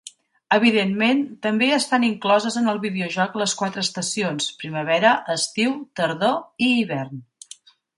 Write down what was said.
Evidentment, també estan incloses en el videojoc les quatre estacions: primavera, estiu, tardor i hivern.